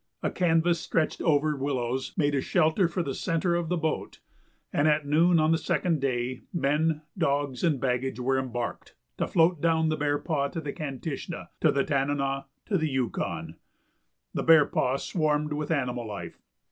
A canvas stretched over willows made a shelter for the centre of the boat, and at noon on the second day men, dogs, and baggage were embarked, to float down the Bearpaw to the Kantishna, to the Tanana, to the Yukon. The Bearpaw swarmed with animal life.